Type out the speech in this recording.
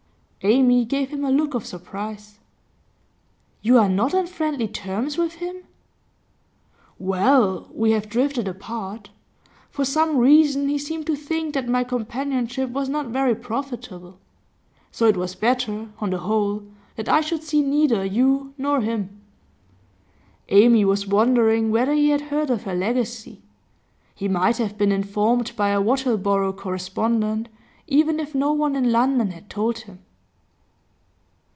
Amy gave him a look of surprise. 'You are not on friendly terms with him?' 'Well, we have drifted apart. For some reason he seemed to think that my companionship was not very profitable. So it was better, on the whole, that I should see neither you nor him.' Amy was wondering whether he had heard of her legacy. He might have been informed by a Wattleborough correspondent, even if no one in London had told him.